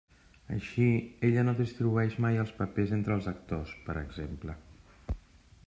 Així, ella no distribueix mai els papers entre els actors, per exemple.